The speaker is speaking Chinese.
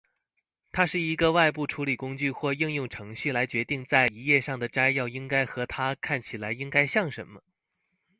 它是一个外部处理工具或应用程序来决定在一页上的摘要应该和它看起来应该像什么。